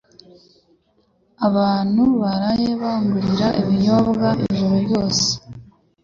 Abantu baraye bangurira ibinyobwa ijoro ryose